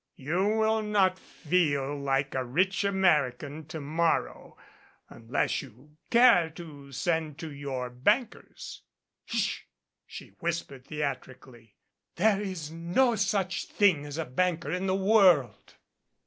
You will not feel like a rich American to morrow unless you care to send to your bankers " "Sh !" she whispered theatrically. "There is no such tiling as a banker in the world."